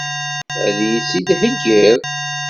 Ad iyi-tt-id-theggiḍ?